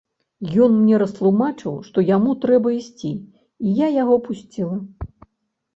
Ён мне растлумачыў, што яму трэба ісці, і я яго пусціла.